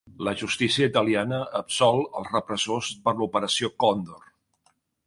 La justícia italiana absol els repressors per l'operació Còndor